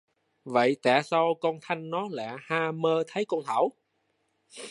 Vậy tại sao con thanh nó lại hay mơ thấy con thảo